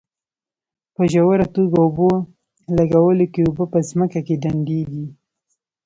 په ژوره توګه اوبه لګولو کې اوبه په ځمکه کې ډنډېږي.